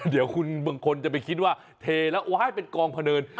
เดี๋ยวคุณบางคนจะไปคิดว่าเทแล้วโอ๊ยเป็นกองพะเนิน